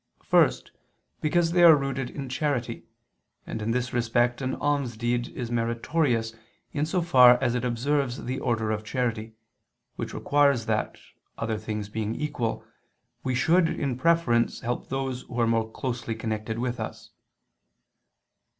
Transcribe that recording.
First because they are rooted in charity, and in this respect an almsdeed is meritorious in so far as it observes the order of charity, which requires that, other things being equal, we should, in preference, help those who are more closely connected with us.